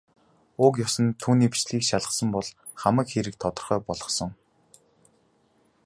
Уг ёс нь түүний бичгийг шалгасан бол хамаг хэрэг тодорхой болохсон.